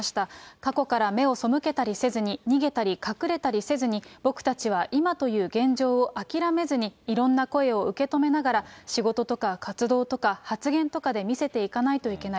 過去から目を背けたりせずに、逃げたり隠れたりせずに、僕たちは今という現状を諦めずにいろんな声を受け止めながら、仕事とか、活動とか、発言とかで見せていかないといけない。